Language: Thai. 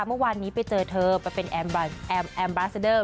เมื่อวานนี้ไปเจอเธอไปเป็นแอมแอมบราซาเดอร์